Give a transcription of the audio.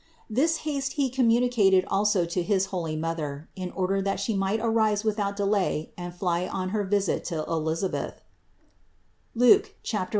This haste He communicated also to his holy Mother, in order that She might arise without de lay and fly on her visit to Elisabeth (Luke 1, 39).